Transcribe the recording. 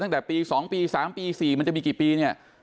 ตั้งแต่ปี๒ปี๓ปี๔มันจะมีกี่ปีเนี่ย